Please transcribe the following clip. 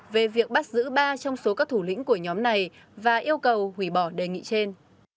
về việc bắt giữ ba trong số các thủ lĩnh của nhóm này và yêu cầu hủy bỏ đề nghị trên